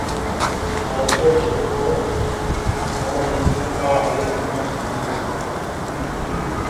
Aba baturage bavuga baramutse bahawe amazi meza